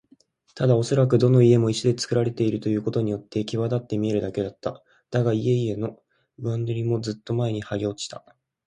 ただおそらくどの家も石でつくられているということによってきわだって見えるだけだった。だが、家々の上塗りもずっと前にはげ落ち、